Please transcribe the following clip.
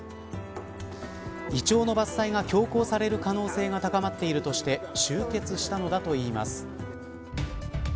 イチョウの伐採が強行される可能性が高まっているとして集結したのだといいます。